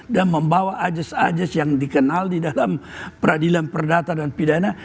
dan membawa ajas ajas yang dikenal di dalam peradilan perdata dan pidana